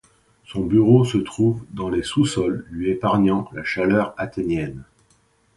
Son bureau se trouve dans les sous-sols, lui épargnant la chaleur athénienne.